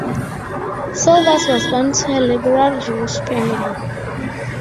Silvas was born to a Liberal Jewish family.